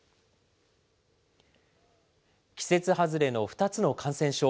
季節外れの２つの感染症。